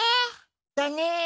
だね。